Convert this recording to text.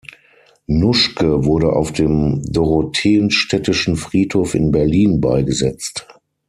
Nuschke wurde auf dem Dorotheenstädtischen Friedhof in Berlin beigesetzt.